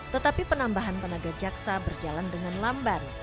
tetapi penambahan tenaga jaksa berjalan dengan lambat